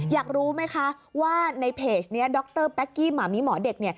อยากรู้ไหมคะว่าในเพจนี้ดรแป๊กกี้หมามีหมอเด็ก